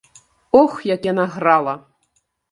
Ох, як яна грала!